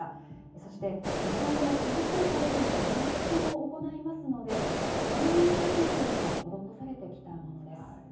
そして遺体の傷ついた部分の修復も行いますので、災害のときなどにも施されてきたものです。